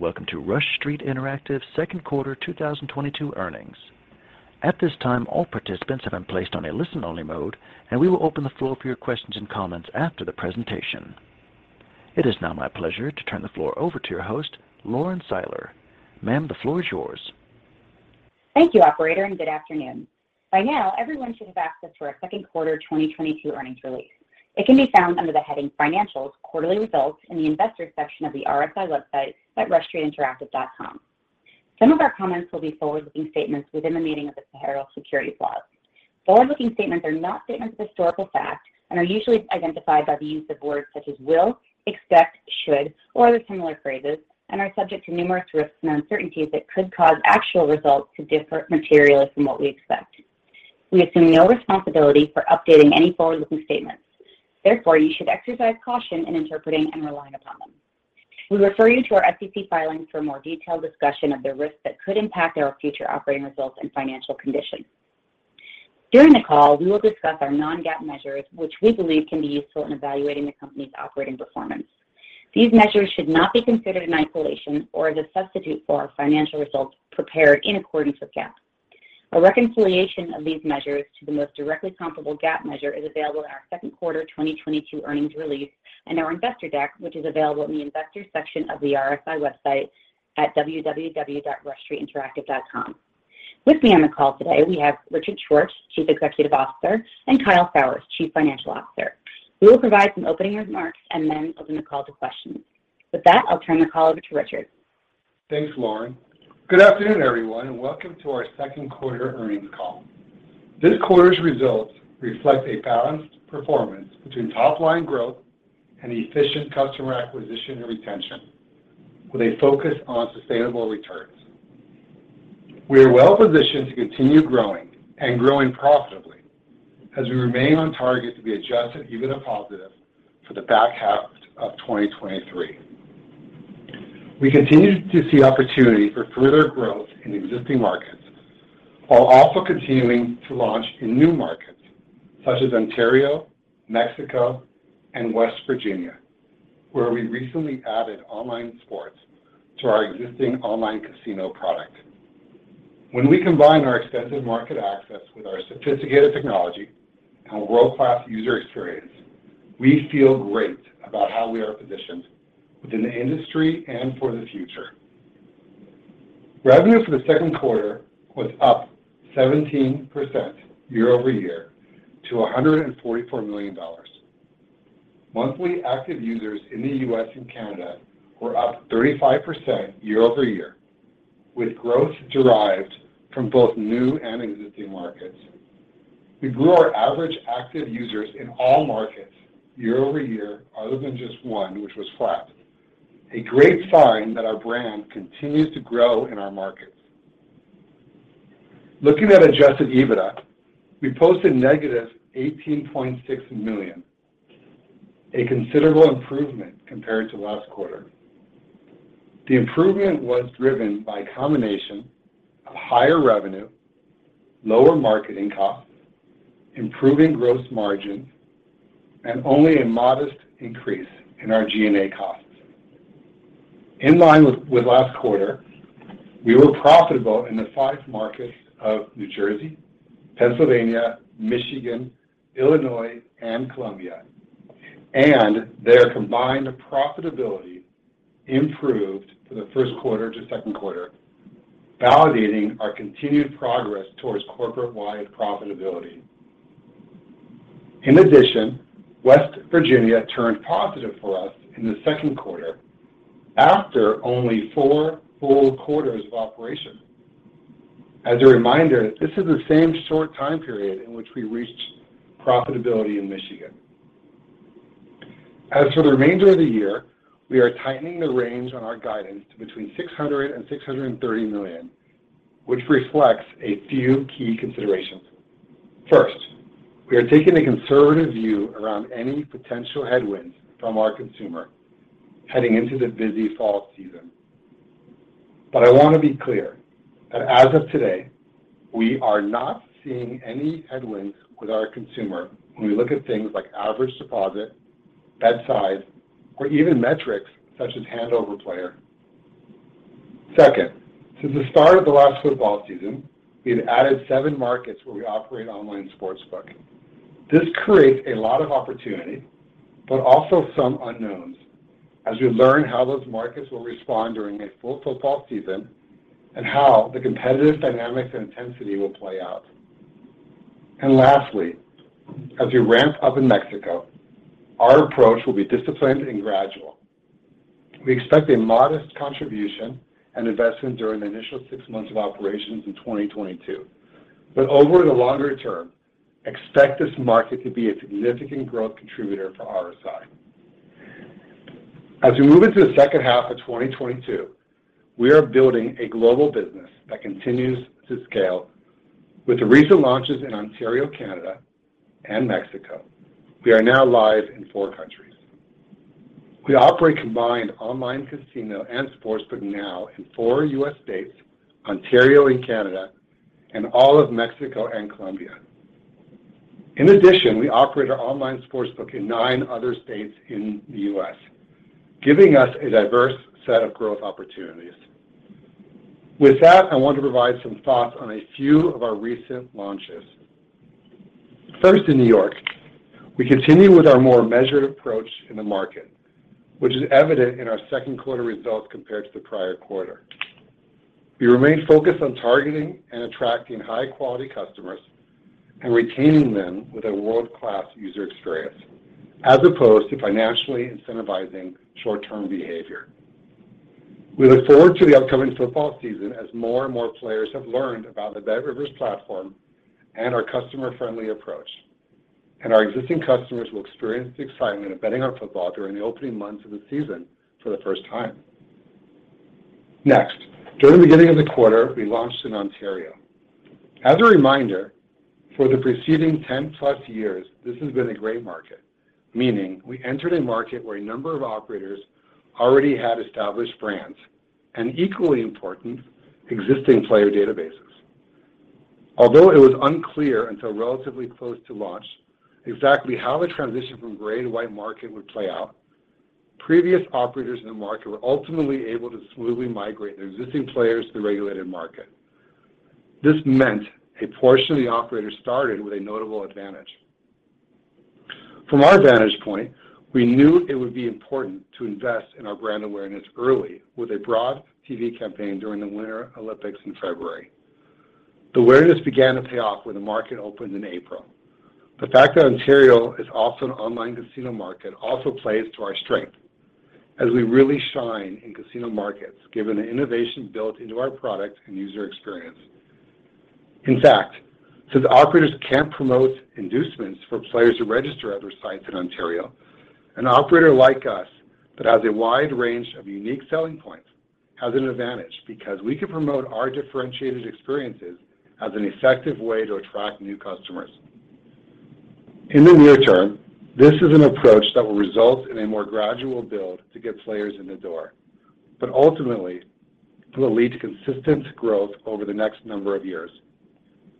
Welcome to Rush Street Interactive second quarter 2022 earnings. At this time, all participants have been placed on a listen-only mode, and we will open the floor for your questions and comments after the presentation. It is now my pleasure to turn the floor over to your host, Lauren Seiler. Ma'am, the floor is yours. Thank you, operator, and good afternoon. By now, everyone should have access to our second quarter 2022 earnings release. It can be found under the heading Financials, Quarterly Results in the Investors section of the RSI website at rushstreetinteractive.com. Some of our comments will be forward-looking statements within the meaning of the federal securities laws. Forward-looking statements are not statements of historical fact and are usually identified by the use of words such as will, expect, should, or other similar phrases, and are subject to numerous risks and uncertainties that could cause actual results to differ materially from what we expect. We assume no responsibility for updating any forward-looking statements. Therefore, you should exercise caution in interpreting and relying upon them. We refer you to our SEC filings for a more detailed discussion of the risks that could impact our future operating results and financial conditions. During the call, we will discuss our non-GAAP measures, which we believe can be useful in evaluating the company's operating performance. These measures should not be considered in isolation or as a substitute for our financial results prepared in accordance with GAAP. A reconciliation of these measures to the most directly comparable GAAP measure is available in our second quarter 2022 earnings release and our investor deck, which is available in the Investors section of the RSI website at www.rushstreetinteractive.com. With me on the call today, we have Richard Schwartz, Chief Executive Officer, and Kyle Sauers, Chief Financial Officer, who will provide some opening remarks and then open the call to questions. With that, I'll turn the call over to Richard. Thanks, Lauren. Good afternoon, everyone, and welcome to our second quarter earnings call. This quarter's results reflect a balanced performance between top-line growth and efficient customer acquisition and retention with a focus on sustainable returns. We are well-positioned to continue growing and growing profitably as we remain on target to be adjusted EBITDA positive for the back half of 2023. We continue to see opportunity for further growth in existing markets while also continuing to launch in new markets such as Ontario, Mexico, and West Virginia, where we recently added online sports to our existing online casino product. When we combine our extensive market access with our sophisticated technology and world-class user experience, we feel great about how we are positioned within the industry and for the future. Revenue for the second quarter was up 17% year-over-year to $144 million. Monthly active users in the U.S. and Canada were up 35% year-over-year with growth derived from both new and existing markets. We grew our average active users in all markets year-over-year, other than just one, which was flat, a great sign that our brand continues to grow in our markets. Looking at adjusted EBITDA, we posted -$18.6 million, a considerable improvement compared to last quarter. The improvement was driven by a combination of higher revenue, lower marketing costs, improving gross margin, and only a modest increase in our G&A costs. In line with last quarter, we were profitable in the five markets of New Jersey, Pennsylvania, Michigan, Illinois, and Colombia. Their combined profitability improved for the first quarter to second quarter, validating our continued progress towards corporate-wide profitability. In addition, West Virginia turned positive for us in the second quarter after only four full quarters of operation. As a reminder, this is the same short time period in which we reached profitability in Michigan. As for the remainder of the year, we are tightening the range on our guidance to between $600 million and $630 million, which reflects a few key considerations. First, we are taking a conservative view around any potential headwinds from our consumer heading into the busy fall season. But I wanna be clear that as of today, we are not seeing any headwinds with our consumer when we look at things like average deposit, bet size, or even metrics such as handle per player. Second, since the start of the last football season, we've added seven markets where we operate online sportsbook. This creates a lot of opportunity, but also some unknowns as we learn how those markets will respond during a full football season and how the competitive dynamics and intensity will play out. Lastly, as we ramp up in Mexico, our approach will be disciplined and gradual. We expect a modest contribution and investment during the initial six months of operations in 2022. Over the longer term, expect this market to be a significant growth contributor for RSI. As we move into the second half of 2022, we are building a global business that continues to scale. With the recent launches in Ontario, Canada, and Mexico, we are now live in four countries. We operate combined online casino and sportsbook now in four U.S. states, Ontario and Canada, and all of Mexico and Colombia. In addition, we operate our online sportsbook in nine other states in the U.S., giving us a diverse set of growth opportunities. With that, I want to provide some thoughts on a few of our recent launches. First, in New York, we continue with our more measured approach in the market, which is evident in our second quarter results compared to the prior quarter. We remain focused on targeting and attracting high-quality customers and retaining them with a world-class user experience, as opposed to financially incentivizing short-term behavior. We look forward to the upcoming football season as more and more players have learned about the BetRivers platform and our customer-friendly approach, and our existing customers will experience the excitement of betting on football during the opening months of the season for the first time. Next, during the beginning of the quarter, we launched in Ontario. As a reminder, for the preceding 10+ years, this has been a great market, meaning we entered a market where a number of operators already had established brands and, equally important, existing player databases. Although it was unclear until relatively close to launch exactly how the transition from gray to white market would play out, previous operators in the market were ultimately able to smoothly migrate their existing players to the regulated market. This meant a portion of the operators started with a notable advantage. From our vantage point, we knew it would be important to invest in our brand awareness early with a broad TV campaign during the Winter Olympics in February. The awareness began to pay off when the market opened in April. The fact that Ontario is also an online casino market also plays to our strength as we really shine in casino markets given the innovation built into our product and user experience. In fact, since operators can't promote inducements for players to register at their sites in Ontario, an operator like us that has a wide range of unique selling points has an advantage because we can promote our differentiated experiences as an effective way to attract new customers. In the near term, this is an approach that will result in a more gradual build to get players in the door, but ultimately it will lead to consistent growth over the next number of years.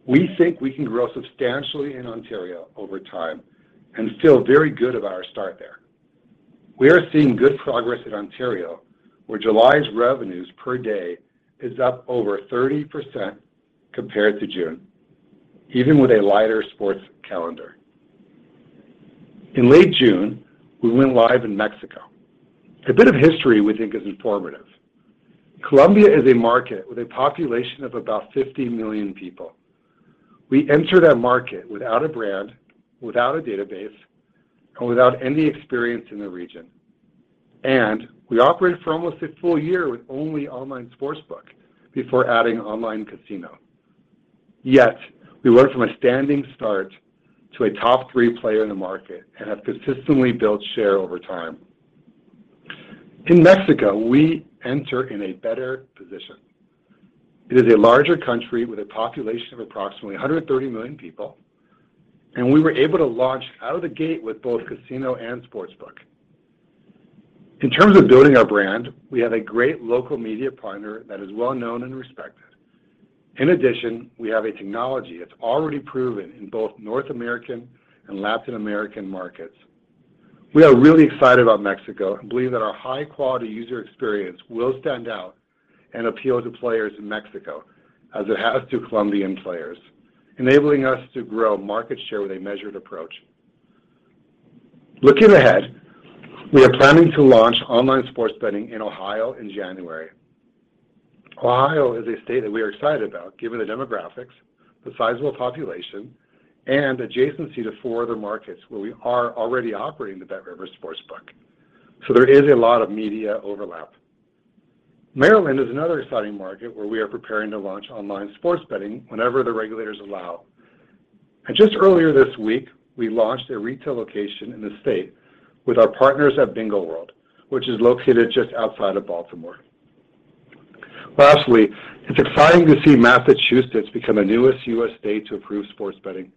We think we can grow substantially in Ontario over time and feel very good about our start there. We are seeing good progress in Ontario, where July's revenues per day is up over 30% compared to June, even with a lighter sports calendar. In late June, we went live in Mexico. A bit of history we think is informative. Colombia is a market with a population of about 50 million people. We entered that market without a brand, without a database, and without any experience in the region, and we operated for almost a full year with only online sportsbook before adding online casino. Yet we went from a standing start to a top three player in the market and have consistently built share over time. In Mexico, we enter in a better position. It is a larger country with a population of approximately 130 million people, and we were able to launch out of the gate with both casino and sportsbook. In terms of building our brand, we have a great local media partner that is well-known and respected. In addition, we have a technology that's already proven in both North American and Latin American markets. We are really excited about Mexico and believe that our high-quality user experience will stand out and appeal to players in Mexico as it has to Colombian players, enabling us to grow market share with a measured approach. Looking ahead, we are planning to launch online sports betting in Ohio in January. Ohio is a state that we are excited about given the demographics, the sizable population, and adjacency to four other markets where we are already operating the BetRivers sportsbook. There is a lot of media overlap. Maryland is another exciting market where we are preparing to launch online sports betting whenever the regulators allow. Just earlier this week, we launched a retail location in the state with our partners at Bingo World, which is located just outside of Baltimore. Lastly, it's exciting to see Massachusetts become the newest U.S. state to approve sports betting.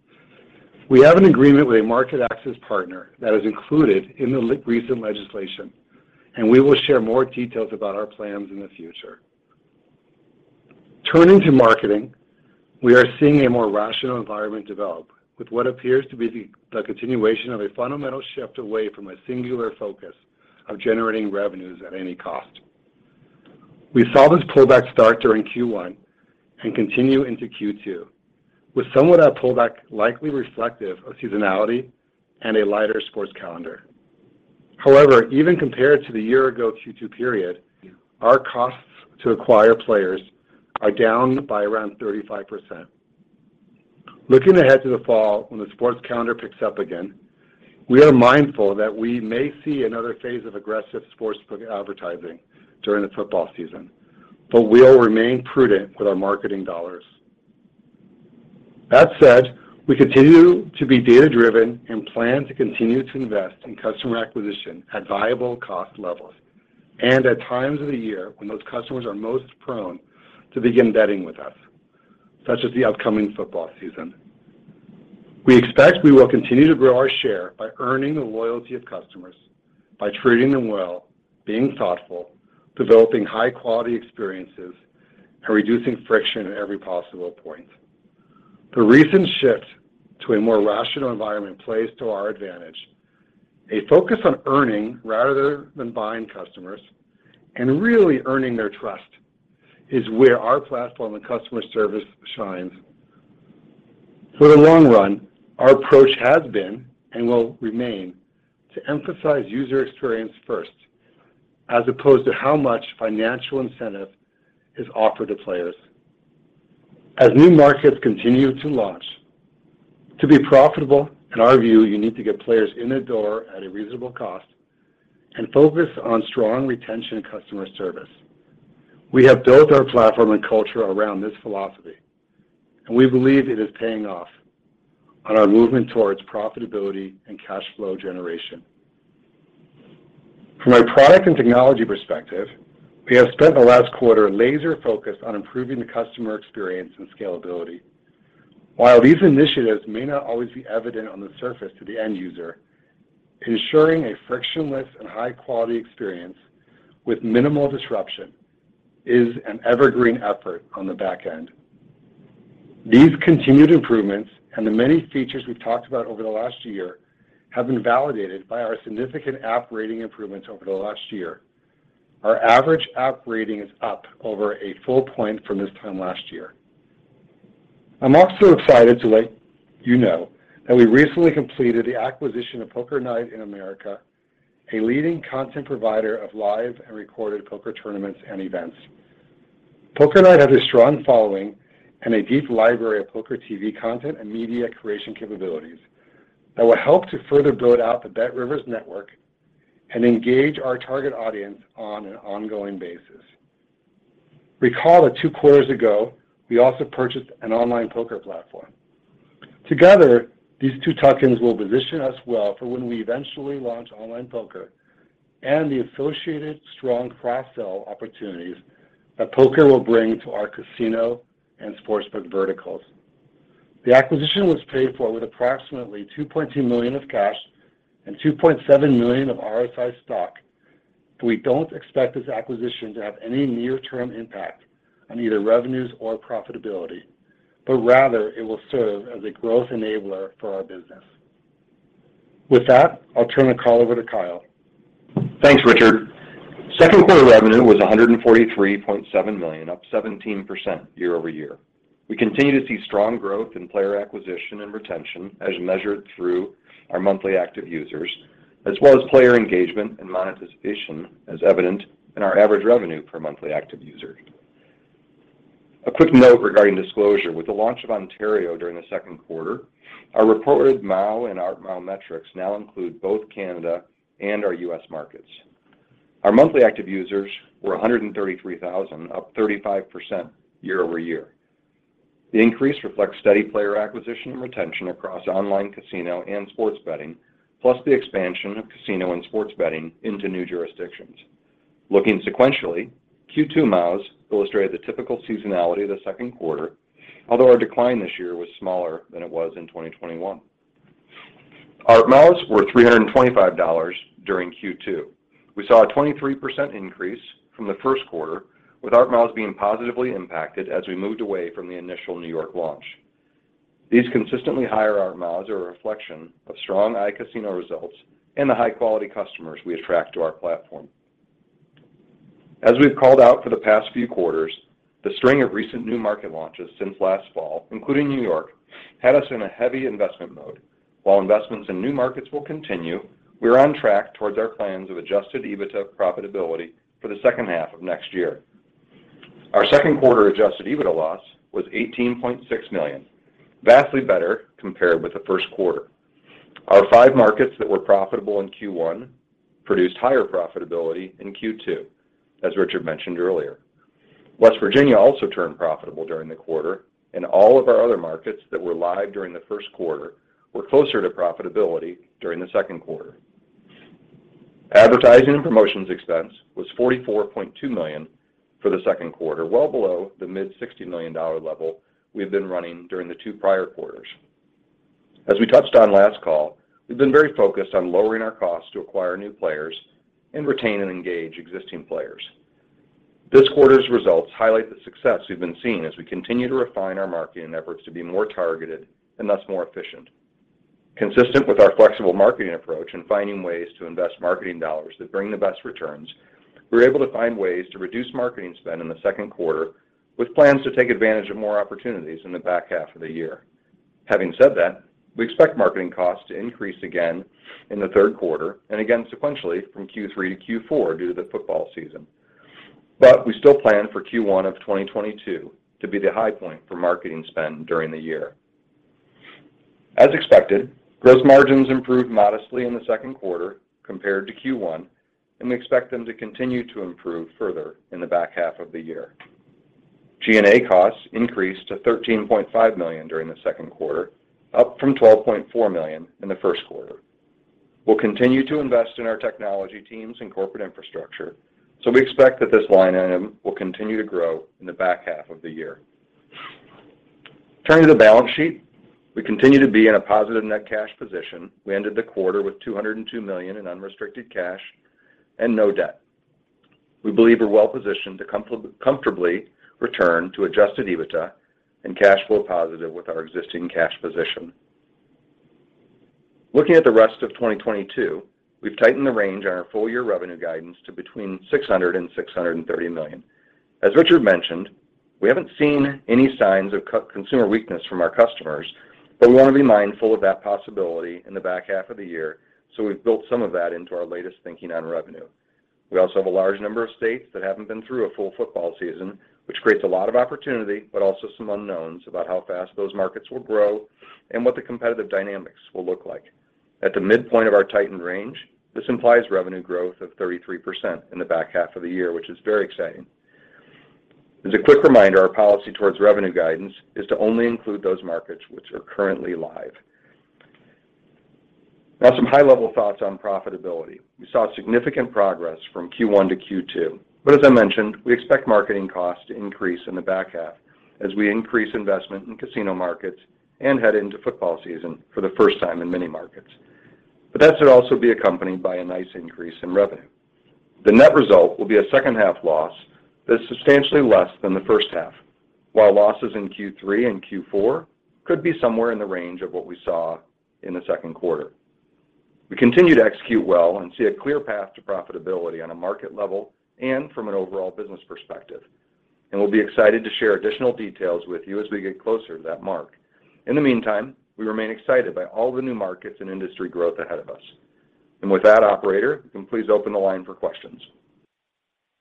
We have an agreement with a market access partner that is included in the recent legislation, and we will share more details about our plans in the future. Turning to marketing, we are seeing a more rational environment develop with what appears to be the continuation of a fundamental shift away from a singular focus of generating revenues at any cost. We saw this pullback start during Q1 and continue into Q2, with somewhat of a pullback likely reflective of seasonality and a lighter sports calendar. However, even compared to the year-ago Q2 period, our costs to acquire players are down by around 35%. Looking ahead to the fall when the sports calendar picks up again, we are mindful that we may see another phase of aggressive sportsbook advertising during the football season, but we will remain prudent with our marketing dollars. That said, we continue to be data-driven and plan to continue to invest in customer acquisition at viable cost levels and at times of the year when those customers are most prone to begin betting with us, such as the upcoming football season. We expect we will continue to grow our share by earning the loyalty of customers, by treating them well, being thoughtful, developing high-quality experiences, and reducing friction at every possible point. The recent shift to a more rational environment plays to our advantage. A focus on earning rather than buying customers and really earning their trust is where our platform and customer service shines. For the long run, our approach has been, and will remain, to emphasize user experience first, as opposed to how much financial incentive is offered to players. As new markets continue to launch, to be profitable, in our view, you need to get players in the door at a reasonable cost and focus on strong retention and customer service. We have built our platform and culture around this philosophy, and we believe it is paying off on our movement towards profitability and cash flow generation. From a product and technology perspective, we have spent the last quarter laser-focused on improving the customer experience and scalability. While these initiatives may not always be evident on the surface to the end user, ensuring a frictionless and high-quality experience with minimal disruption is an evergreen effort on the back end. These continued improvements and the many features we've talked about over the last year have been validated by our significant app rating improvements over the last year. Our average app rating is up over a full point from this time last year. I'm also excited to let you know that we recently completed the acquisition of Poker Night in America, a leading content provider of live and recorded poker tournaments and events. Poker Night has a strong following and a deep library of poker TV content and media creation capabilities that will help to further build out the BetRivers network and engage our target audience on an ongoing basis. Recall that two quarters ago, we also purchased an online poker platform. Together, these two tuck-ins will position us well for when we eventually launch online poker and the associated strong cross-sell opportunities that poker will bring to our casino and sportsbook verticals. The acquisition was paid for with approximately $2.2 million of cash and $2.7 million of RSI stock, but we don't expect this acquisition to have any near-term impact on either revenues or profitability, but rather it will serve as a growth enabler for our business. With that, I'll turn the call over to Kyle. Thanks, Richard. Second quarter revenue was $143.7 million, up 17% year-over-year. We continue to see strong growth in player acquisition and retention as measured through our monthly active users, as well as player engagement and monetization as evident in our average revenue per monthly active user. A quick note regarding disclosure, with the launch of Ontario during the second quarter, our reported MAU and ARPMAU metrics now include both Canada and our U.S. markets. Our monthly active users were 133,000, up 35% year-over-year. The increase reflects steady player acquisition and retention across online casino and sports betting, plus the expansion of casino and sports betting into new jurisdictions. Looking sequentially, Q2 MAUs illustrated the typical seasonality of the second quarter, although our decline this year was smaller than it was in 2021. Our ARPMAUs were $325 during Q2. We saw a 23% increase from the first quarter, with ARPMAU being positively impacted as we moved away from the initial New York launch. These consistently higher ARPMAUs are a reflection of strong iCasino results and the high-quality customers we attract to our platform. As we've called out for the past few quarters, the string of recent new market launches since last fall, including New York, had us in a heavy investment mode. While investments in new markets will continue, we are on track towards our plans of adjusted EBITDA profitability for the second half of next year. Our second quarter adjusted EBITDA loss was $18.6 million, vastly better compared with the first quarter. Our five markets that were profitable in Q1 produced higher profitability in Q2, as Richard mentioned earlier. West Virginia also turned profitable during the quarter, and all of our other markets that were live during the first quarter were closer to profitability during the second quarter. Advertising and promotions expense was $44.2 million for the second quarter, well below the mid-$60 million level we had been running during the two prior quarters. As we touched on last call, we've been very focused on lowering our costs to acquire new players and retain and engage existing players. This quarter's results highlight the success we've been seeing as we continue to refine our marketing efforts to be more targeted and thus more efficient. Consistent with our flexible marketing approach and finding ways to invest marketing dollars that bring the best returns, we were able to find ways to reduce marketing spend in the second quarter with plans to take advantage of more opportunities in the back half of the year. Having said that, we expect marketing costs to increase again in the third quarter and again sequentially from Q3 to Q4 due to the football season. We still plan for Q1 of 2022 to be the high point for marketing spend during the year. As expected, gross margins improved modestly in the second quarter compared to Q1, and we expect them to continue to improve further in the back half of the year. G&A costs increased to $13.5 million during the second quarter, up from $12.4 million in the first quarter. We'll continue to invest in our technology teams and corporate infrastructure, so we expect that this line item will continue to grow in the back half of the year. Turning to the balance sheet, we continue to be in a positive net cash position. We ended the quarter with $202 million in unrestricted cash and no debt. We believe we're well positioned to comfortably return to adjusted EBITDA and cash flow positive with our existing cash position. Looking at the rest of 2022, we've tightened the range on our full year revenue guidance to between $600 million and $630 million. As Richard mentioned, we haven't seen any signs of consumer weakness from our customers, but we wanna be mindful of that possibility in the back half of the year, so we've built some of that into our latest thinking on revenue. We also have a large number of states that haven't been through a full football season, which creates a lot of opportunity, but also some unknowns about how fast those markets will grow and what the competitive dynamics will look like. At the midpoint of our tightened range, this implies revenue growth of 33% in the back half of the year, which is very exciting. As a quick reminder, our policy towards revenue guidance is to only include those markets which are currently live. Now, some high-level thoughts on profitability. We saw significant progress from Q1 to Q2, but as I mentioned, we expect marketing costs to increase in the back half as we increase investment in casino markets and head into football season for the first time in many markets. That should also be accompanied by a nice increase in revenue. The net result will be a second half loss that's substantially less than the first half, while losses in Q3 and Q4 could be somewhere in the range of what we saw in the second quarter. We continue to execute well and see a clear path to profitability on a market level and from an overall business perspective, and we'll be excited to share additional details with you as we get closer to that mark. In the meantime, we remain excited by all the new markets and industry growth ahead of us. With that, operator, you can please open the line for questions.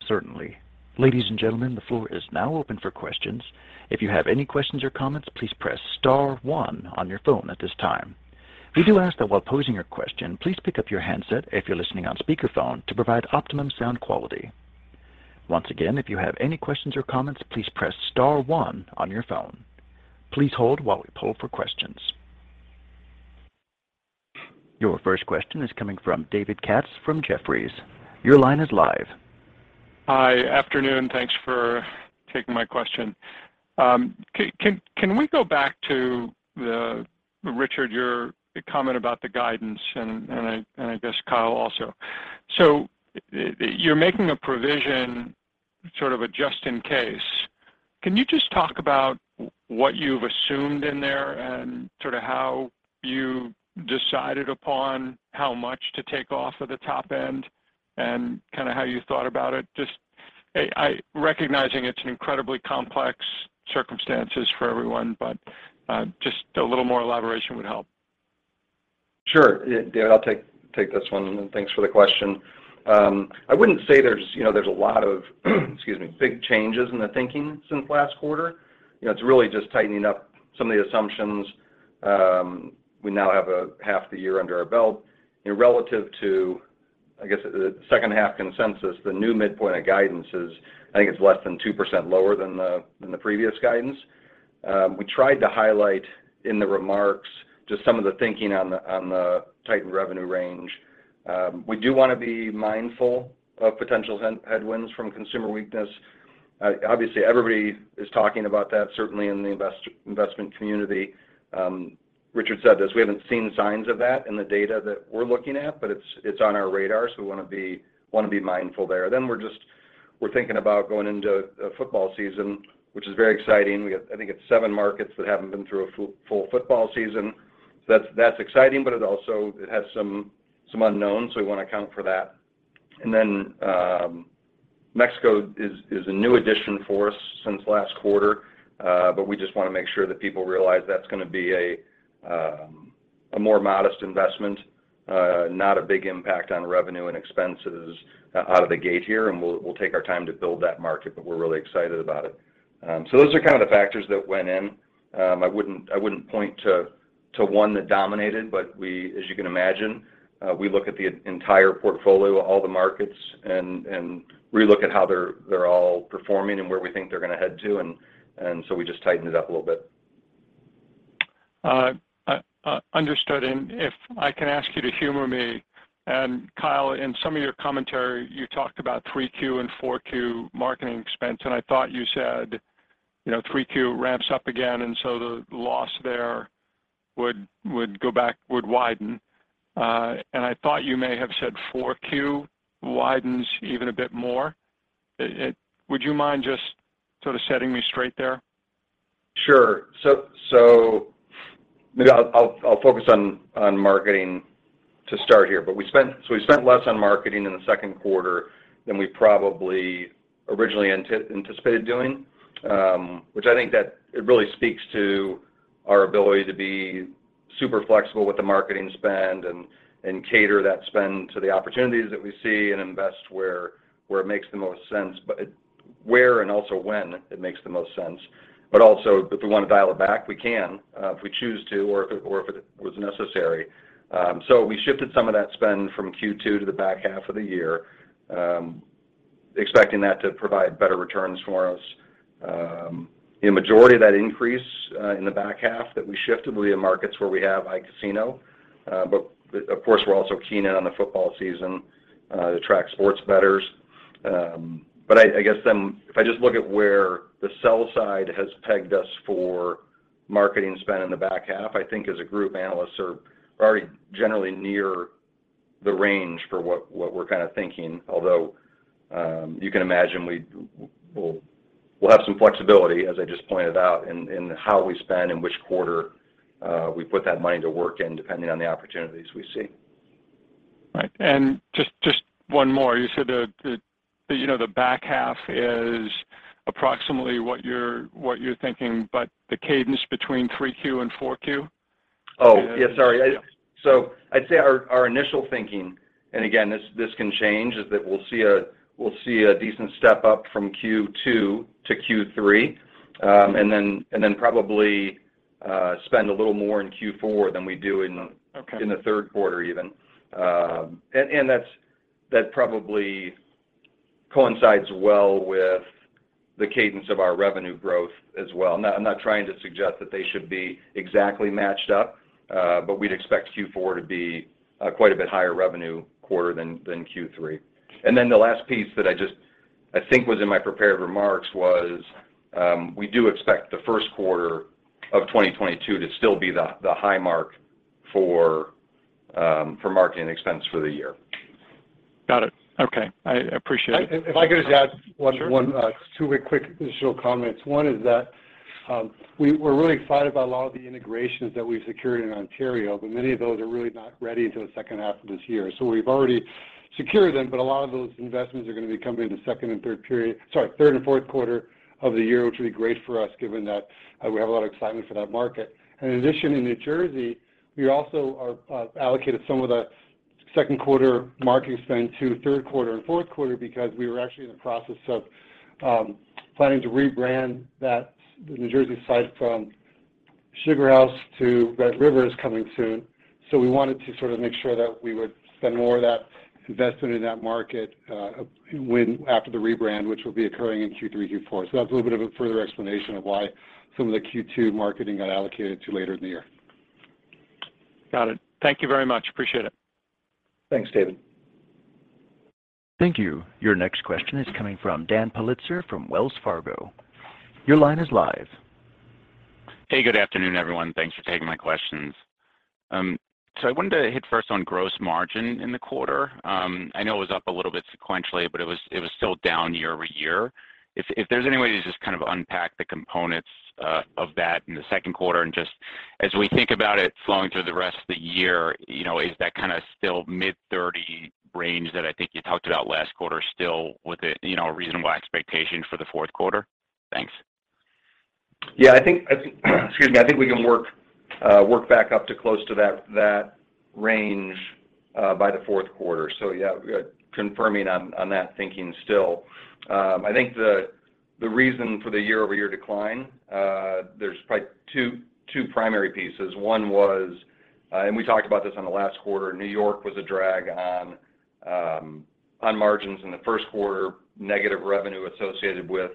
Certainly. Ladies and gentlemen, the floor is now open for questions. If you have any questions or comments, please press star one on your phone at this time. We do ask that while posing your question, please pick up your handset if you're listening on speaker phone to provide optimum sound quality. Once again, if you have any questions or comments, please press star one on your phone. Please hold while we poll for questions. Your first question is coming from David Katz from Jefferies. Your line is live. Hi. Afternoon. Thanks for taking my question. Can we go back to Richard, your comment about the guidance and I guess Kyle also. You're making a provision sort of a just in case. Can you just talk about what you've assumed in there and sort of how you decided upon how much to take off of the top end and kinda how you thought about it? Recognizing it's an incredibly complex circumstances for everyone, but just a little more elaboration would help. Sure. Yeah, David, I'll take this one, and thanks for the question. I wouldn't say there's a lot of big changes in the thinking since last quarter. You know, it's really just tightening up some of the assumptions. We now have half the year under our belt. You know, relative to the second half consensus, the new midpoint of guidance is less than 2% lower than the previous guidance. We tried to highlight in the remarks just some of the thinking on the tightened revenue range. We do wanna be mindful of potential headwinds from consumer weakness. Obviously, everybody is talking about that, certainly in the investment community. Richard said this. We haven't seen signs of that in the data that we're looking at, but it's on our radar, so we wanna be mindful there. We're thinking about going into a football season, which is very exciting. We got, I think it's seven markets that haven't been through a full football season. That's exciting, but it also has some unknowns, so we wanna account for that. Mexico is a new addition for us since last quarter, but we just wanna make sure that people realize that's gonna be a more modest investment, not a big impact on revenue and expenses out of the gate here, and we'll take our time to build that market, but we're really excited about it. Those are kinda the factors that went in. I wouldn't point to one that dominated, but we, as you can imagine, we look at the entire portfolio, all the markets and re-look at how they're all performing and where we think they're gonna head to and so we just tightened it up a little bit. Understood. If I can ask you to humor me, and Kyle, in some of your commentary, you talked about 3Q and 4Q marketing expense, and I thought you said, you know, 3Q ramps up again, and so the loss there would go back, would widen. I thought you may have said 4Q widens even a bit more. Would you mind just sort of setting me straight there? Sure. Maybe I'll focus on marketing to start here. We spent less on marketing in the second quarter than we probably originally anticipated doing, which I think that it really speaks to our ability to be super flexible with the marketing spend and cater that spend to the opportunities that we see and invest where it makes the most sense. Where and also when it makes the most sense. Also, if we wanna dial it back, we can, if we choose to or if it was necessary. We shifted some of that spend from Q2 to the back half of the year, expecting that to provide better returns for us. The majority of that increase in the back half that we shifted will be in markets where we have iCasino. Of course, we're also keyed in on the football season to attract sports bettors. I guess then if I just look at where the sell side has pegged us for marketing spend in the back half, I think as a group, analysts are already generally near the range for what we're kinda thinking. Although you can imagine we'll have some flexibility, as I just pointed out in how we spend, in which quarter we put that money to work in depending on the opportunities we see. Right. Just one more. You said that you know, the back half is approximately what you're thinking, but the cadence between 3Q and 4Q is- Oh, yeah, sorry. I'd say our initial thinking, and again, this can change, is that we'll see a decent step up from Q2 to Q3. Probably spend a little more in Q4 than we do in- Okay In the third quarter even. That probably coincides well with the cadence of our revenue growth as well. I'm not trying to suggest that they should be exactly matched up, but we'd expect Q4 to be quite a bit higher revenue quarter than Q3. Then the last piece I think was in my prepared remarks was, we do expect the first quarter of 2022 to still be the high mark for marketing expense for the year. Got it. Okay. I appreciate it. If I could just add one. Sure one, two quick additional comments. One is that, we're really excited about a lot of the integrations that we've secured in Ontario, but many of those are really not ready till the second half of this year. We've already secured them, but a lot of those investments are gonna be coming in the third and fourth quarter of the year, which will be great for us given that we have a lot of excitement for that market. In addition, in New Jersey, we also are allocated some of the second quarter marketing spend to third quarter and fourth quarter because we were actually in the process of planning to rebrand that New Jersey site from SugarHouse to BetRivers is coming soon. We wanted to sort of make sure that we would spend more of that investment in that market, after the rebrand, which will be occurring in Q3, Q4. That's a little bit of a further explanation of why some of the Q2 marketing got allocated to later in the year. Got it. Thank you very much. Appreciate it. Thanks, David. Thank you. Your next question is coming from Daniel Politzer from Wells Fargo. Your line is live. Hey. Good afternoon, everyone. Thanks for taking my questions. So I wanted to hit first on gross margin in the quarter. I know it was up a little bit sequentially, but it was still down year-over-year. If there's any way to just kind of unpack the components of that in the second quarter and just as we think about it flowing through the rest of the year, you know, is that kinda still mid-thirty range that I think you talked about last quarter still with it, you know, a reasonable expectation for the fourth quarter? Thanks. Yeah, I think we can work back up to close to that range by the fourth quarter. Yeah, confirming on that thinking still. I think the reason for the year-over-year decline, there's probably two primary pieces. One was, we talked about this in the last quarter, New York was a drag on margins in the first quarter, negative revenue associated with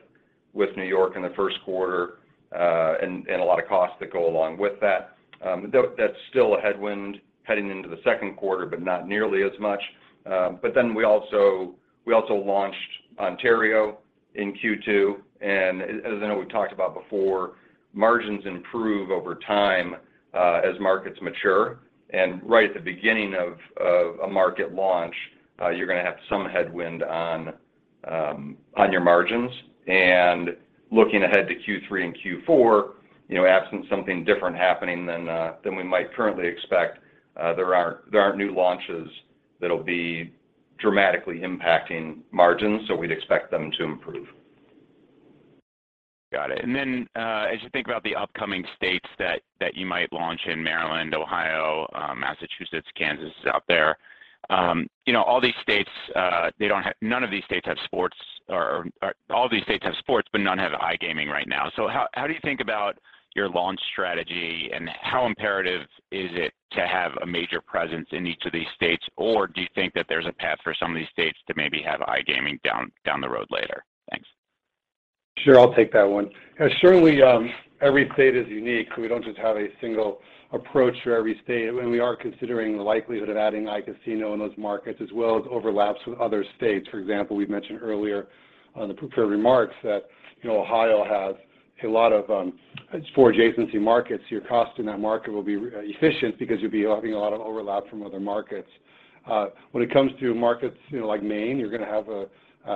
New York in the first quarter, and a lot of costs that go along with that. That's still a headwind heading into the second quarter, but not nearly as much. We also launched Ontario in Q2, and as I know we've talked about before, margins improve over time as markets mature. Right at the beginning of a market launch, you're gonna have some headwind on your margins. Looking ahead to Q3 and Q4, you know, absent something different happening than we might currently expect, there aren't new launches that'll be dramatically impacting margins, so we'd expect them to improve. Got it. As you think about the upcoming states that you might launch in Maryland, Ohio, Massachusetts, Kansas is out there, you know, all these states, all these states have sports, but none have iGaming right now. How do you think about your launch strategy, and how imperative is it to have a major presence in each of these states? Or do you think that there's a path for some of these states to maybe have iGaming down the road later? Thanks. Sure. I'll take that one. Certainly, every state is unique. We don't just have a single approach for every state, and we are considering the likelihood of adding iCasino in those markets as well as overlaps with other states. For example, we've mentioned earlier on the prepared remarks that, you know, Ohio has a lot of four adjacent markets. Your cost in that market will be efficient because you'll be having a lot of overlap from other markets. When it comes to markets, you know, like Maine, you're gonna have a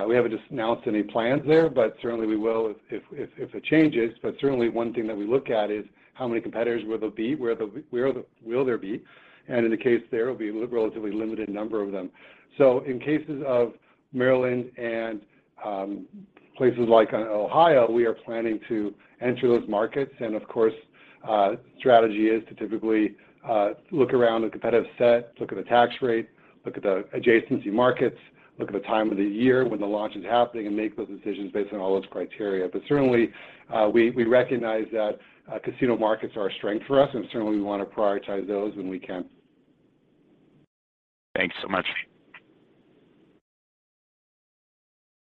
we haven't just announced any plans there, but certainly we will if it changes. But certainly one thing that we look at is how many competitors will there be, where will there be. In the case there, it'll be a relatively limited number of them. In cases of Maryland and places like Ohio, we are planning to enter those markets and of course, strategy is to typically look around the competitive set, look at the tax rate, look at the adjacent markets, look at the time of the year when the launch is happening, and make those decisions based on all those criteria. Certainly, we recognize that casino markets are a strength for us, and certainly we wanna prioritize those when we can. Thanks so much.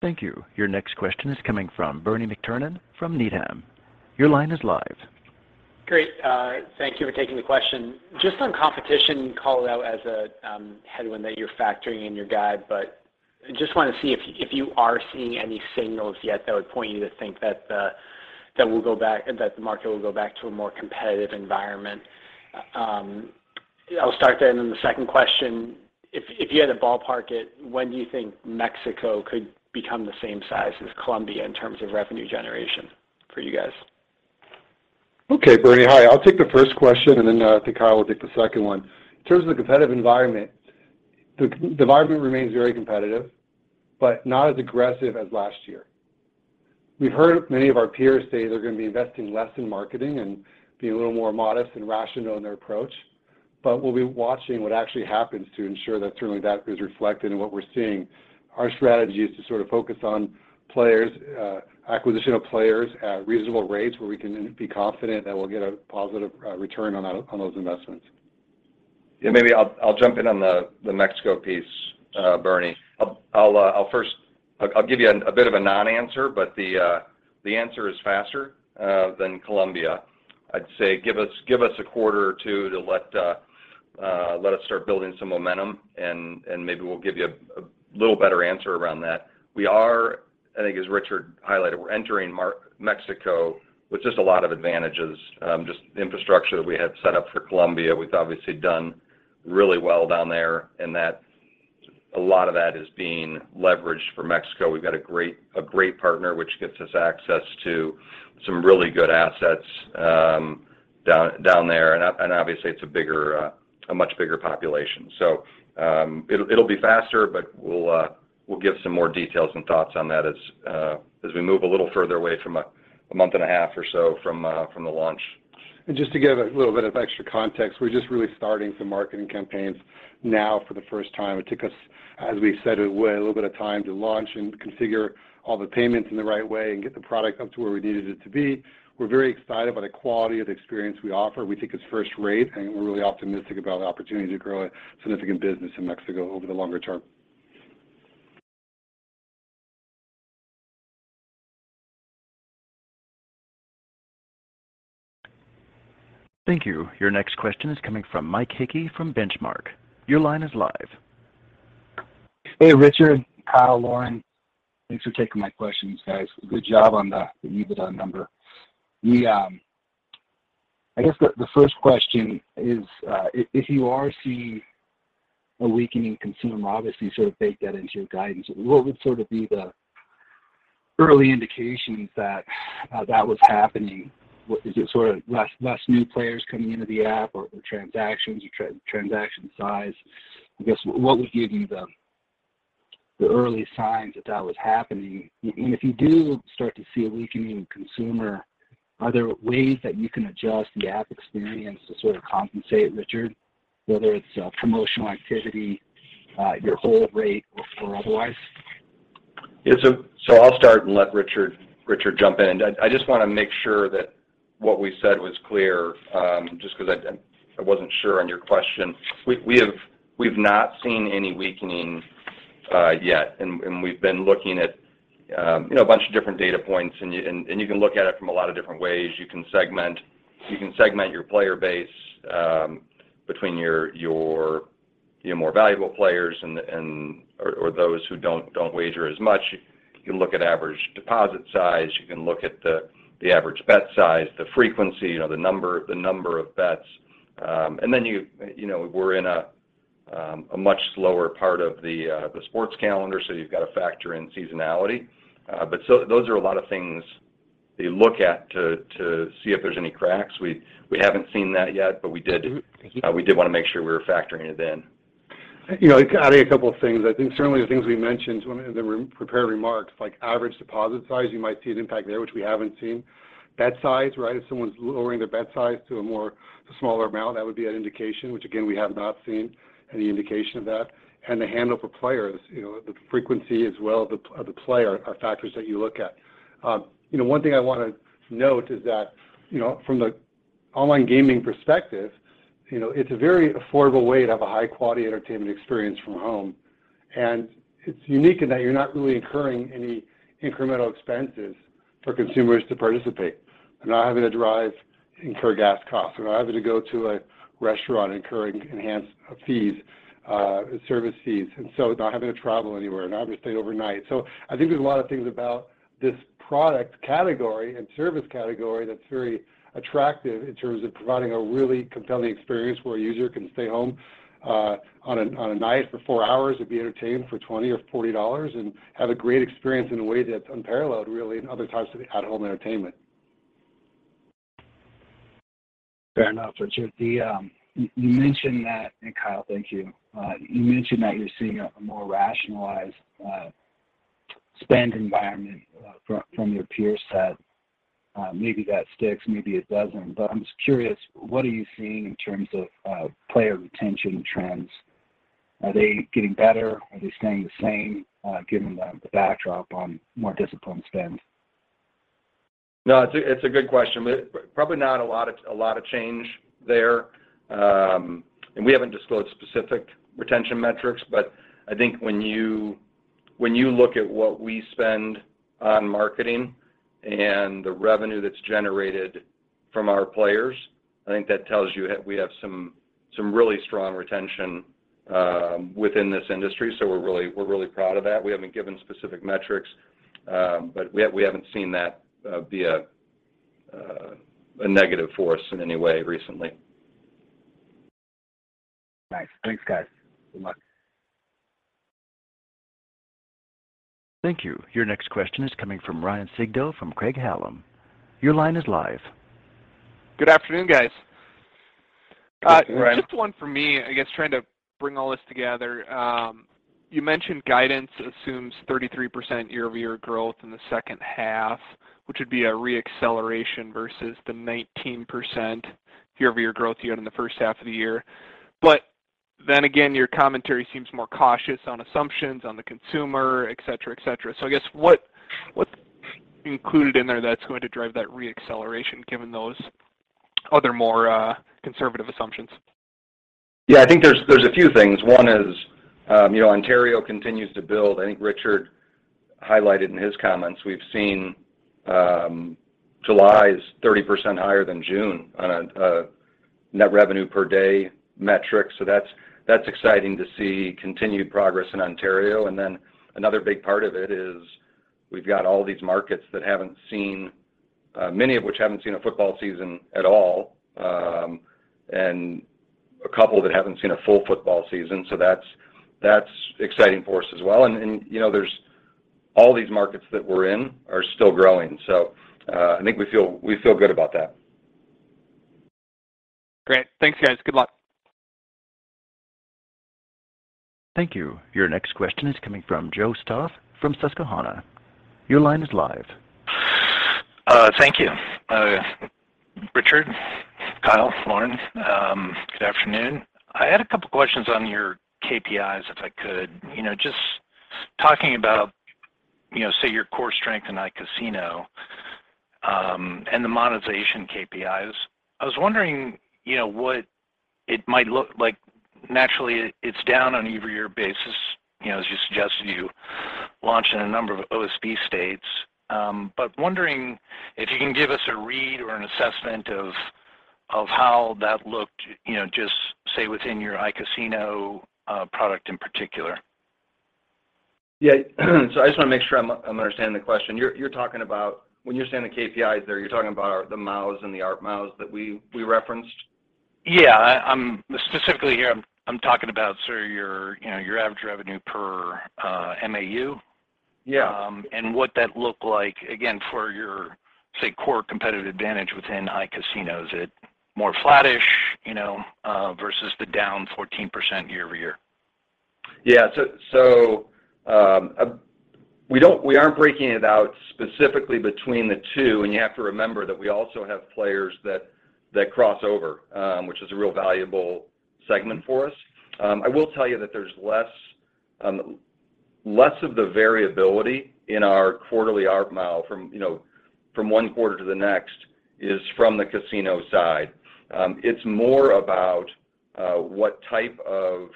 Thank you. Your next question is coming from Bernie McTernan from Needham. Your line is live. Great. Thank you for taking the question. Just on competition, you called out as a headwind that you're factoring in your guide, but I just wanna see if you are seeing any signals yet that would point you to think that the market will go back to a more competitive environment. I'll start there, and then the second question, if you had to ballpark it, when do you think Mexico could become the same size as Colombia in terms of revenue generation for you guys? Okay, Bernie. Hi. I'll take the first question, and then I think Kyle will take the second one. In terms of the competitive environment, the environment remains very competitive, but not as aggressive as last year. We've heard many of our peers say they're gonna be investing less in marketing and be a little more modest and rational in their approach, but we'll be watching what actually happens to ensure that certainly that is reflected in what we're seeing. Our strategy is to sort of focus on players acquisition of players at reasonable rates where we can then be confident that we'll get a positive return on those investments. Yeah, maybe I'll jump in on the Mexico piece, Bernie. I'll first give you a bit of a non-answer, but the answer is faster than Colombia. I'd say give us a quarter or two to let us start building some momentum and maybe we'll give you a little better answer around that. We are, I think as Richard highlighted, we're entering Mexico with just a lot of advantages, just infrastructure that we had set up for Colombia. We've obviously done really well down there, and a lot of that is being leveraged for Mexico. We've got a great partner, which gets us access to some really good assets, down there and obviously it's a much bigger population. It'll be faster, but we'll give some more details and thoughts on that as we move a little further away from a month and a half or so from the launch. Just to give a little bit of extra context, we're just really starting some marketing campaigns now for the first time. It took us, as we've said, awhile, a little bit of time to launch and configure all the payments in the right way and get the product up to where we needed it to be. We're very excited about the quality of the experience we offer. We think it's first-rate, and we're really optimistic about the opportunity to grow a significant business in Mexico over the longer term. Thank you. Your next question is coming from Mike Hickey from Benchmark. Your line is live. Hey, Richard, Kyle, Lauren. Thanks for taking my questions, guys. Good job on the EBITDA number. I guess the first question is, if you are seeing a weakening consumer, obviously you sort of baked that into your guidance, what would sort of be the early indications that that was happening? Is it sort of less new players coming into the app or the transactions or transaction size? I guess what would give you the early signs that that was happening? And if you do start to see a weakening consumer, are there ways that you can adjust the app experience to sort of compensate, Richard, whether it's promotional activity, your hold rate or otherwise? I'll start and let Richard jump in. I just wanna make sure that what we said was clear, just 'cause I wasn't sure on your question. We've not seen any weakening yet, and we've been looking at you know, a bunch of different data points, and you can look at it from a lot of different ways. You can segment your player base between your more valuable players or those who don't wager as much. You can look at average deposit size. You can look at the average bet size, the frequency, you know, the number of bets. And then you. You know, we're in a much slower part of the sports calendar, so you've got to factor in seasonality. Those are a lot of things that you look at to see if there's any cracks. We haven't seen that yet, but we did. Mm-hmm. Thank you. We did wanna make sure we were factoring it in. You know, adding a couple of things. I think certainly the things we mentioned when we prepared remarks, like average deposit size, you might see an impact there, which we haven't seen. Bet size, right? If someone's lowering their bet size to a smaller amount, that would be an indication, which again, we have not seen any indication of that. The handle per players, you know, the frequency as well of the player are factors that you look at. You know, one thing I wanna note is that, you know, from the online gaming perspective, you know, it's a very affordable way to have a high quality entertainment experience from home, and it's unique in that you're not really incurring any incremental expenses for consumers to participate. They're not having to drive and incur gas costs. They're not having to go to a restaurant incurring enhanced, fees, service fees, and so not having to travel anywhere, not having to stay overnight. I think there's a lot of things about this product category and service category that's very attractive in terms of providing a really compelling experience where a user can stay home, on a night for four hours and be entertained for $20 or $40 and have a great experience in a way that's unparalleled really in other types of at-home entertainment. Fair enough. Richard, you mentioned that—and Kyle, thank you. You mentioned that you're seeing a more rationalized spend environment from your peer set. Maybe that sticks, maybe it doesn't. I'm just curious, what are you seeing in terms of player retention trends? Are they getting better? Are they staying the same, given the backdrop on more disciplined spend? No, it's a good question, but probably not a lot of change there. We haven't disclosed specific retention metrics, but I think when you look at what we spend on marketing and the revenue that's generated from our players, I think that tells you that we have some really strong retention within this industry, so we're really proud of that. We haven't given specific metrics, but we haven't seen that be a negative force in any way recently. Nice. Thanks, guys. Good luck. Thank you. Your next question is coming from Ryan Sigdahl from Craig-Hallum. Your line is live. Good afternoon, guys. Hi, Ryan. Just one for me, I guess, trying to bring all this together. You mentioned guidance assumes 33% year-over-year growth in the second half, which would be a re-acceleration versus the 19% year-over-year growth you had in the first half of the year. Then again, your commentary seems more cautious on assumptions, on the consumer, et cetera, et cetera. I guess, what's included in there that's going to drive that re-acceleration given those other more conservative assumptions? Yeah, I think there's a few things. One is, you know, Ontario continues to build. I think Richard highlighted in his comments, we've seen July is 30% higher than June on a net revenue per day metric. So that's exciting to see continued progress in Ontario. Then another big part of it is we've got all these markets that haven't seen, many of which haven't seen a football season at all, and a couple that haven't seen a full football season. So that's exciting for us as well, and you know, there's all these markets that we're in are still growing. So I think we feel good about that. Great. Thanks, guys. Good luck. Thank you. Your next question is coming from Joe Stauff from Susquehanna. Your line is live. Thank you. Richard, Kyle, Lauren, good afternoon. I had a couple questions on your KPIs, if I could. You know, just talking about, you know, say, your core strength in iCasino, and the monetization KPIs. I was wondering, you know, what it might look like. Naturally, it's down on a year-over-year basis, you know, as you suggested you launched in a number of OSB states. But wondering if you can give us a read or an assessment of how that looked, you know, just, say, within your iCasino product in particular. Yeah. I just wanna make sure I'm understanding the question. When you're saying the KPIs there, you're talking about the MAUs and the ARPMAU that we referenced? Yeah, I'm specifically here talking about sort of your, you know, your average revenue per MAU. Yeah. What does that look like, again, for your, say, core competitive advantage within iCasino? Is it more flattish, you know, versus the down 14% year-over-year? We aren't breaking it out specifically between the two, and you have to remember that we also have players that cross over, which is a really valuable segment for us. I will tell you that there's less of the variability in our quarterly ARPMAU from, you know, from one quarter to the next, is from the casino side. It's more about what type of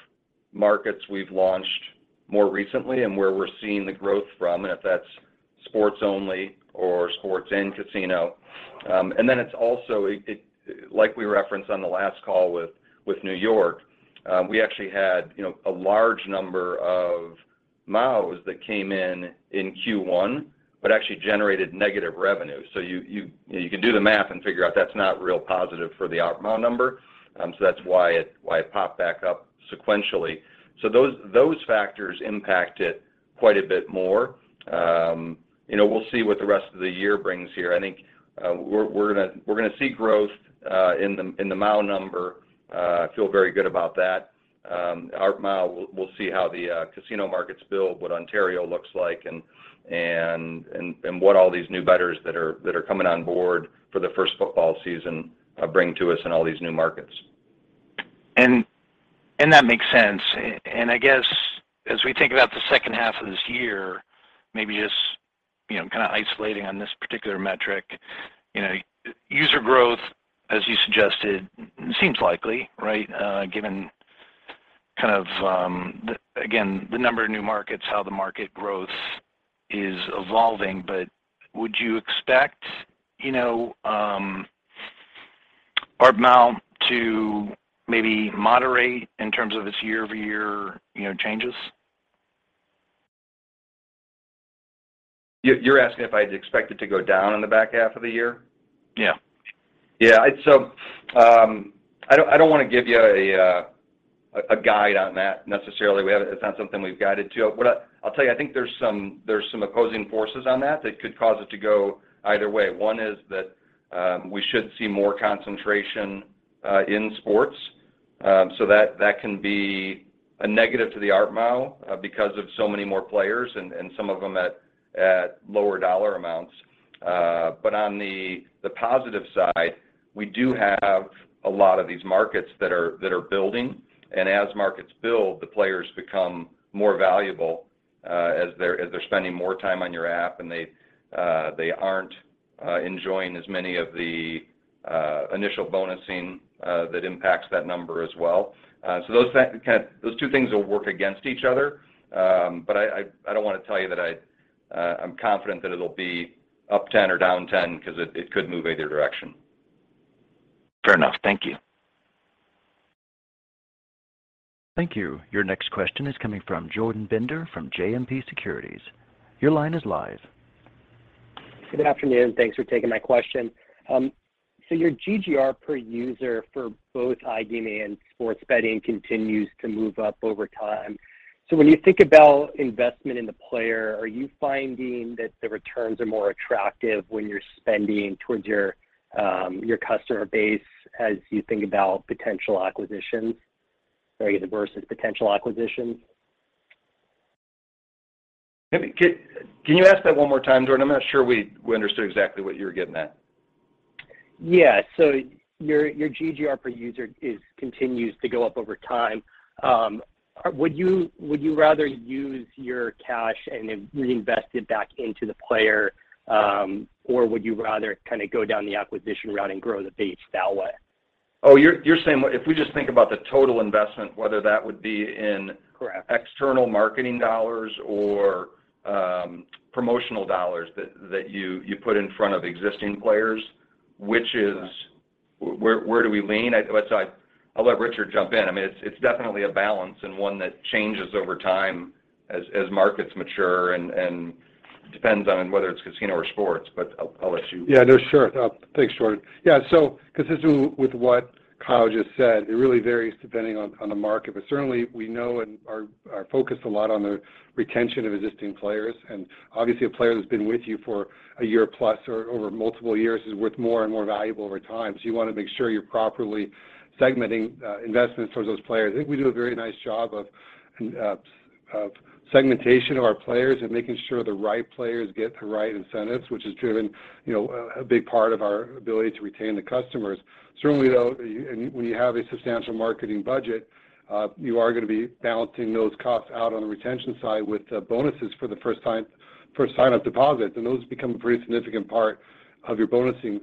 markets we've launched more recently and where we're seeing the growth from and if that's sports only or sports and casino. Like we referenced on the last call with New York, we actually had, you know, a large number of MAUs that came in in Q1, but actually generated negative revenue. You know, you can do the math and figure out that's not really positive for the ARPMAU number. That's why it popped back up sequentially. Those factors impact it quite a bit more. You know, we'll see what the rest of the year brings here. I think we're gonna see growth in the MAU number. I feel very good about that. ARPMAU, we'll see how the casino markets build, what Ontario looks like, and what all these new bettors that are coming on board for the first football season bring to us in all these new markets. that makes sense. I guess as we think about the second half of this year, maybe just, you know, kind of isolating on this particular metric, you know, user growth, as you suggested, seems likely, right, given kind of, the number of new markets, how the market growth is evolving. Would you expect, you know, ARPMAU to maybe moderate in terms of its year-over-year, you know, changes? You're asking if I'd expect it to go down in the back half of the year? Yeah. Yeah. I don't wanna give you a guide on that necessarily. It's not something we've guided to. I'll tell you, I think there's some opposing forces on that that could cause it to go either way. One is that we should see more concentration in sports. That can be a negative to the ARPMAU because of so many more players and some of them at lower dollar amounts. On the positive side, we do have a lot of these markets that are building, and as markets build, the players become more valuable as they're spending more time on your app and they aren't enjoying as many of the initial bonusing that impacts that number as well. Those two things will work against each other. I don't wanna tell you that I'm confident that it'll be up 10 or down 10 'cause it could move either direction. Fair enough. Thank you. Thank you. Your next question is coming from Jordan Bender from JMP Securities. Your line is live. Good afternoon, thanks for taking my question. Your GGR per user for both iGaming and sports betting continues to move up over time. When you think about investment in the player, are you finding that the returns are more attractive when you're spending towards your customer base as you think about potential acquisitions or versus potential acquisitions? Can you ask that one more time, Jordan? I'm not sure we understood exactly what you were getting at. Yeah. Your GGR per user continues to go up over time. Would you rather use your cash and then reinvest it back into the player, or would you rather kinda go down the acquisition route and grow the base that way? Oh, you're saying what if we just think about the total investment, whether that would be in- Correct external marketing dollars or promotional dollars that you put in front of existing players Correct Which is where do we lean? Let's say I'll let Richard jump in. I mean, it's definitely a balance and one that changes over time as markets mature and depends on whether it's casino or sports, but I'll let you. Yeah, no, sure. Thanks, Jordan. Yeah, consistent with what Kyle just said, it really varies depending on the market. Certainly, we know and are focused a lot on the retention of existing players. Obviously a player that's been with you for a year plus or over multiple years is worth more and more valuable over time. You wanna make sure you're properly segmenting investments towards those players. I think we do a very nice job of segmentation of our players and making sure the right players get the right incentives, which has driven, you know, a big part of our ability to retain the customers. Certainly, though, when you have a substantial marketing budget, you are gonna be balancing those costs out on the retention side with bonuses for the first sign-up deposit. Those become a pretty significant part of your bonusing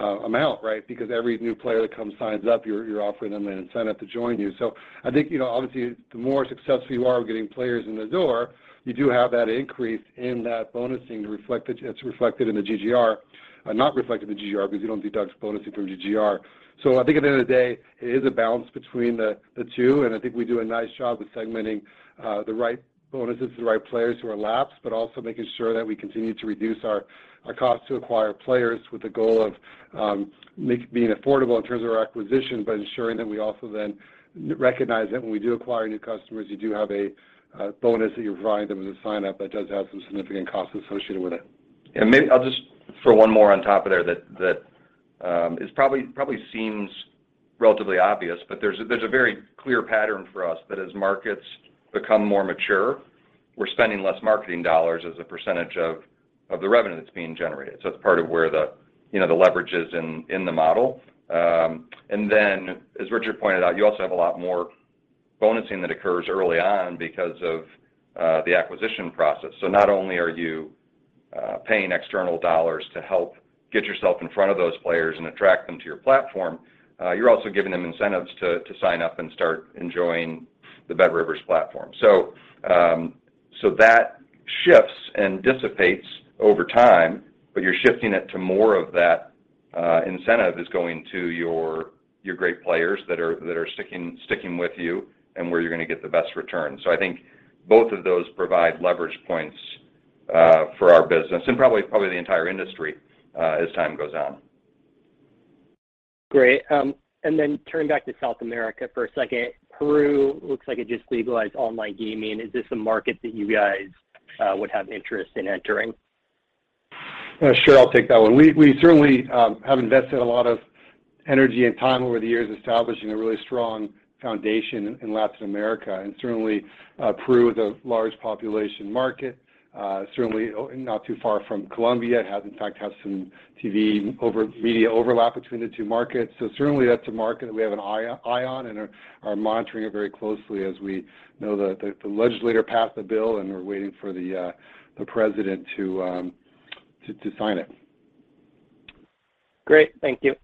amount, right? Because every new player that comes signs up, you're offering them an incentive to join you. I think, you know, obviously the more successful you are of getting players in the door, you do have that increase in that bonusing reflected, that's reflected in the GGR. Not reflected in the GGR because you don't deduct bonusing from GGR. I think at the end of the day, it is a balance between the two, and I think we do a nice job with segmenting the right bonuses to the right players who are lapsed, but also making sure that we continue to reduce our cost to acquire players with the goal of being affordable in terms of our acquisition, but ensuring that we also then recognize that when we do acquire new customers, you do have a bonus that you're providing them as a sign-up that does have some significant costs associated with it. I'll just throw one more on top of there that probably seems relatively obvious, but there's a very clear pattern for us that as markets become more mature, we're spending less marketing dollars as a percentage of the revenue that's being generated. It's part of where you know the leverage is in the model. Then as Richard pointed out, you also have a lot more bonusing that occurs early on because of the acquisition process. Not only are you paying external dollars to help get yourself in front of those players and attract them to your platform, you're also giving them incentives to sign up and start enjoying the BetRivers platform. That shifts and dissipates over time, but you're shifting it to more of that incentive is going to your great players that are sticking with you and where you're gonna get the best return. I think both of those provide leverage points for our business and probably the entire industry as time goes on. Great. Turning back to South America for a second. Peru looks like it just legalized online gaming. Is this a market that you guys would have interest in entering? Sure. I'll take that one. We certainly have invested a lot of energy and time over the years establishing a really strong foundation in Latin America and certainly Peru is a large population market. Certainly, not too far from Colombia. It has, in fact, some TV and media overlap between the two markets. Certainly that's a market that we have an eye on and are monitoring it very closely as we know the legislature passed the bill and we're waiting for the president to sign it. Great. Thank you.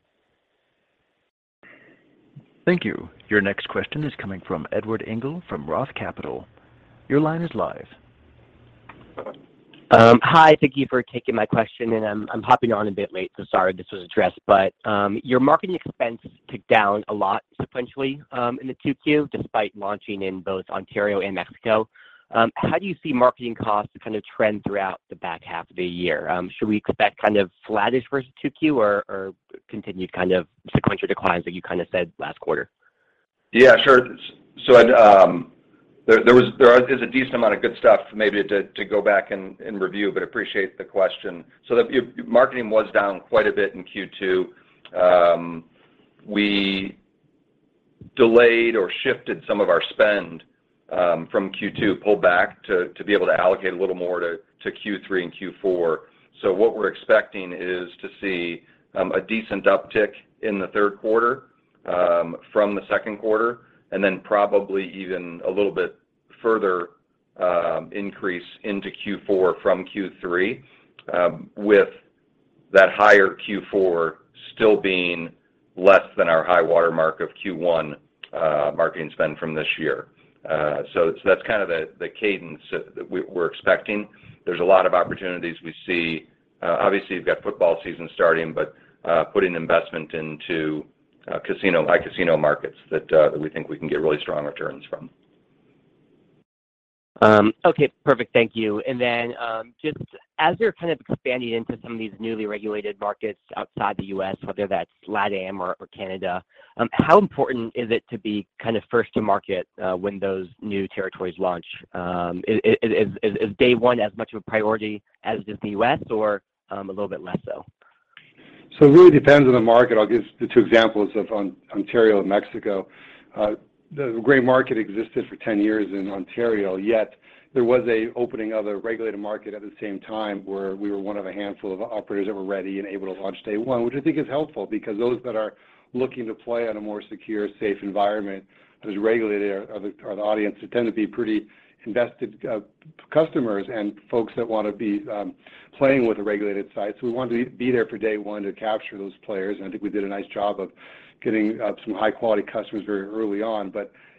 Thank you. Your next question is coming from Edward Engel from Roth Capital. Your line is live. Hi. Thank you for taking my question and I'm hopping on a bit late, so sorry if this was addressed. Your marketing expense ticked down a lot sequentially in the 2Q despite launching in both Ontario and Mexico. How do you see marketing costs kind of trend throughout the back half of the year? Should we expect kind of flattish versus 2Q or continued kind of sequential declines like you kinda said last quarter? Yeah, sure. There is a decent amount of good stuff maybe to go back and review, but appreciate the question. Marketing was down quite a bit in Q2. We delayed or shifted some of our spend from Q2, pulled back to be able to allocate a little more to Q3 and Q4. What we're expecting is to see a decent uptick in the third quarter from the second quarter, and then probably even a little bit further. Increase into Q4 from Q3, with that higher Q4 still being less than our high watermark of Q1 marketing spend from this year. That's kind of the cadence that we're expecting. There's a lot of opportunities we see. Obviously, you've got football season starting, but putting investment into iCasino markets that we think we can get really strong returns from. Okay. Perfect. Thank you. Then, just as you're kind of expanding into some of these newly regulated markets outside the U.S., whether that's LATAM or Canada, how important is it to be kind of first to market, when those new territories launch? Is Day One as much of a priority as is the U.S. or a little bit less so? It really depends on the market. I'll give the two examples of Ontario and Mexico. The gray market existed for 10 years in Ontario, yet there was an opening of the regulated market at the same time where we were one of a handful of operators that were ready and able to launch Day One, which I think is helpful because those that are looking to play on a more secure, safe environment that is regulated are the audience that tend to be pretty invested, customers and folks that wanna be playing with a regulated site. We wanted to be there for Day One to capture those players, and I think we did a nice job of getting some high-quality customers very early on.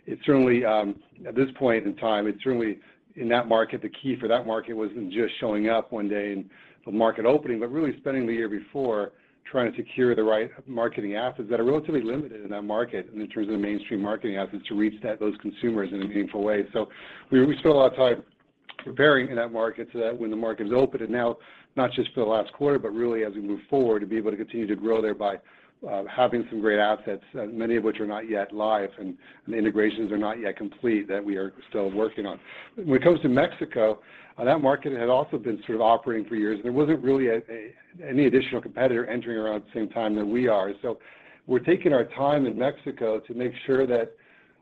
It certainly, at this point in time, in that market, the key for that market wasn't just showing up one day in the market opening, but really spending the year before trying to secure the right marketing assets that are relatively limited in that market and in terms of the mainstream marketing assets to reach those consumers in a meaningful way. We spent a lot of time preparing in that market so that when the market was open, and now not just for the last quarter, but really as we move forward, to be able to continue to grow there by having some great assets, many of which are not yet live and the integrations are not yet complete that we are still working on. When it comes to Mexico, that market had also been sort of operating for years, and there wasn't really any additional competitor entering around the same time that we are. We're taking our time in Mexico to make sure that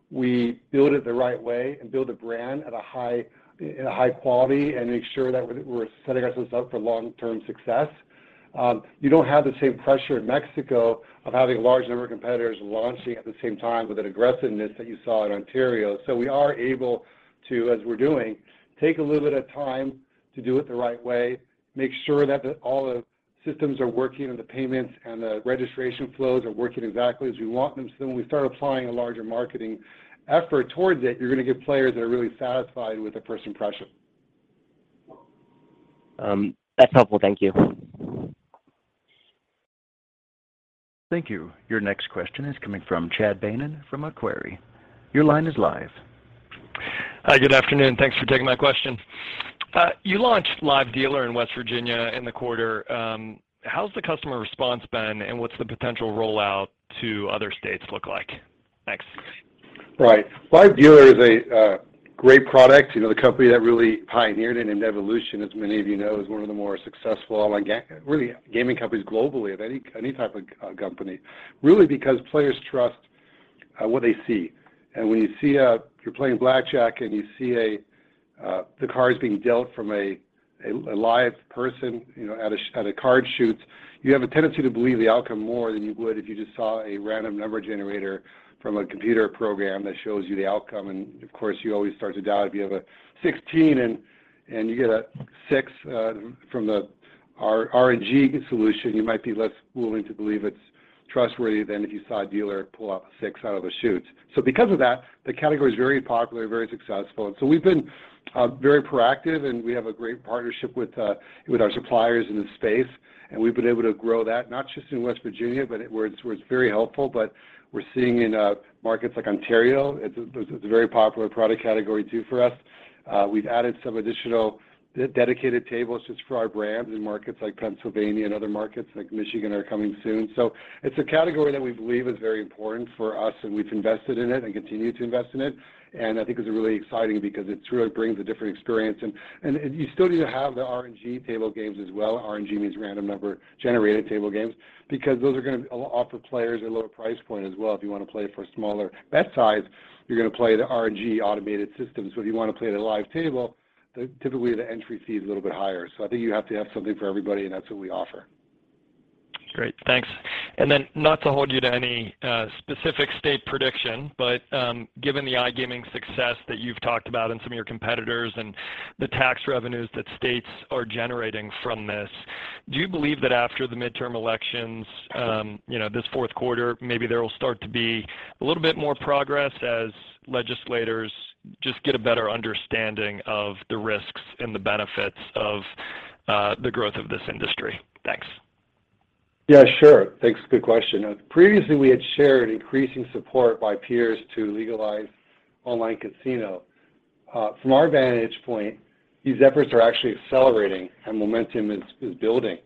we build it the right way and build a brand at a high quality and make sure that we're setting ourselves up for long-term success. You don't have the same pressure in Mexico of having a large number of competitors launching at the same time with an aggressiveness that you saw in Ontario. We are able to, as we're doing, take a little bit of time to do it the right way, make sure that all the systems are working and the payments and the registration flows are working exactly as we want them, so then when we start applying a larger marketing effort towards it, you're gonna get players that are really satisfied with the first impression. That's helpful. Thank you. Thank you. Your next question is coming from Chad Beynon from Macquarie. Your line is live. Good afternoon. Thanks for taking my question. You launched Live Dealer in West Virginia in the quarter. How's the customer response been, and what's the potential rollout to other states look like? Thanks. Right. Live Dealer is a great product. You know, the company that really pioneered it, Evolution, as many of you know, is one of the more successful online really gaming companies globally of any type of company, really because players trust what they see. When you see, if you're playing blackjack and you see the cards being dealt from a live person, you know, at a card shoe, you have a tendency to believe the outcome more than you would if you just saw a random number generator from a computer program that shows you the outcome. Of course, you always start to doubt if you have a 16 and you get a six from the RNG solution, you might be less willing to believe it's trustworthy than if you saw a dealer pull out a six out of a shoe. Because of that, the category is very popular, very successful. We've been very proactive, and we have a great partnership with our suppliers in this space, and we've been able to grow that, not just in West Virginia, but where it's very helpful, but we're seeing in markets like Ontario, it's this is a very popular product category too for us. We've added some additional dedicated tables just for our brands in markets like Pennsylvania and other markets like Michigan are coming soon. It's a category that we believe is very important for us, and we've invested in it and continue to invest in it. I think it's really exciting because it truly brings a different experience. You still need to have the RNG table games as well. RNG means random number generator table games because those are gonna offer players a lower price point as well if you wanna play for smaller bet size, you're gonna play the RNG automated systems. If you wanna play at a live table, typically, the entry fee is a little bit higher. I think you have to have something for everybody, and that's what we offer. Great. Thanks. Not to hold you to any specific state prediction, but given the iGaming success that you've talked about and some of your competitors and the tax revenues that states are generating from this, do you believe that after the midterm elections, you know, this fourth quarter, maybe there will start to be a little bit more progress as legislators just get a better understanding of the risks and the benefits of the growth of this industry? Thanks. Yeah, sure. Thanks. Good question. Previously, we had shared increasing support by peers to legalize online casino. From our vantage point, these efforts are actually accelerating and momentum is building.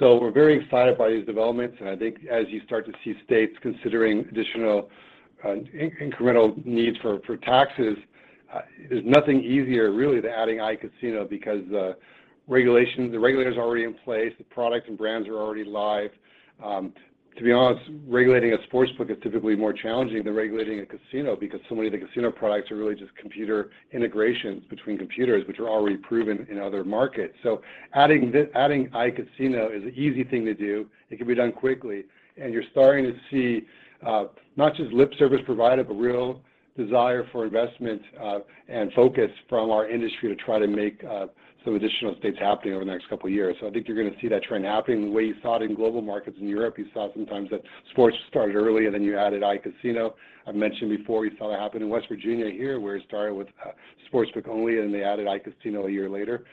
We're very excited by these developments, and I think as you start to see states considering additional incremental needs for taxes, there's nothing easier really than adding iCasino because regulation, the regulator is already in place. The products and brands are already live. To be honest, regulating a sportsbook is typically more challenging than regulating a casino because so many of the casino products are really just computer integrations between computers, which are already proven in other markets. Adding iCasino is an easy thing to do. It can be done quickly. You're starting to see, not just lip service provided, but real desire for investment, and focus from our industry to try to make, some additional states happening over the next couple of years. I think you're gonna see that trend happening the way you saw it in global markets in Europe. You saw sometimes that sports started early and then you added iCasino. I've mentioned before you saw that happen in West Virginia here, where it started with, sportsbook only and they added iCasino a year later.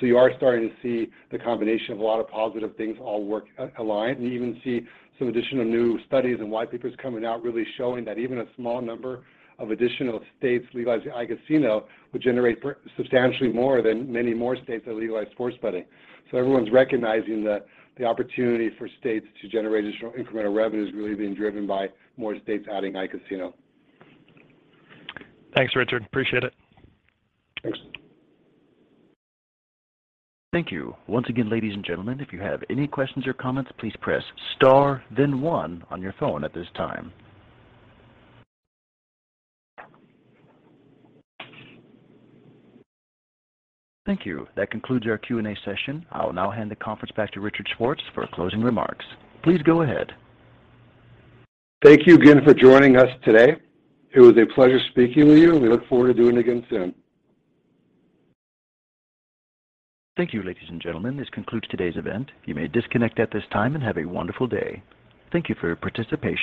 You are starting to see the combination of a lot of positive things all work aligned, and even see some additional new studies and white papers coming out really showing that even a small number of additional states legalizing iCasino would generate substantially more than many more states that legalize sports betting. Everyone's recognizing that the opportunity for states to generate additional incremental revenue is really being driven by more states adding iCasino. Thanks, Richard. Appreciate it. Thanks. Thank you. Once again, ladies and gentlemen, if you have any questions or comments, please press star then one on your phone at this time. Thank you. That concludes our Q&A session. I will now hand the conference back to Richard Schwartz for closing remarks. Please go ahead. Thank you again for joining us today. It was a pleasure speaking with you, and we look forward to doing it again soon. Thank you, ladies and gentlemen. This concludes today's event. You may disconnect at this time, and have a wonderful day. Thank you for your participation.